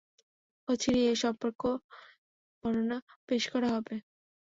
অচিরেই এ সম্পর্কে বর্ণনা পেশ করা হবে।